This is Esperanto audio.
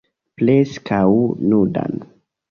Preskaŭ nudan.